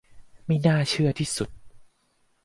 ไม่น่าเชื่อที่สุด